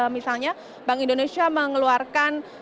misalnya bank indonesia mengeluarkan